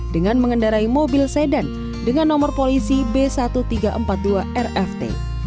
dengan mengendarai mobil sedan dengan nomor polisi b seribu tiga ratus empat puluh dua rft